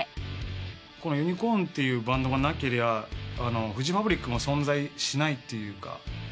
ユニコーンっていうバンドがなけりゃフジファブリックも存在しないっていうか。